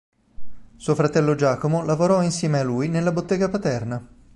Suo fratello Giacomo lavorò insieme a lui nella bottega paterna.